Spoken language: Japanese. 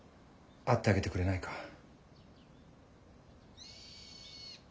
会ってあげてくれないか。